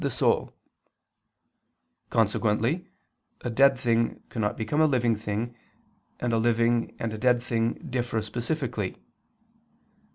the soul: consequently a dead thing cannot become a living thing, and a living and a dead thing differ specifically.